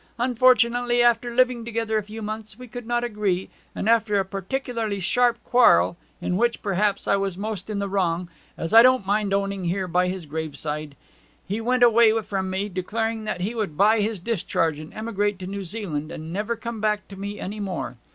Unfortunately, after living together a few months, we could not agree; and after a particularly sharp quarrel, in which, perhaps, I was most in the wrong as I don't mind owning here by his graveside he went away from me, declaring he would buy his discharge and emigrate to New Zealand, and never come back to me any more.